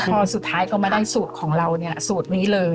พอสุดท้ายก็มาได้สูตรของเราเนี่ยสูตรนี้เลย